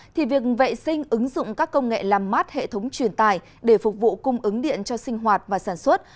thì việc vệ sinh ứng dụng các công nghệ làm mát hệ thống truyền tài để phục vụ cung ứng điện cho sinh hoạt và sản xuất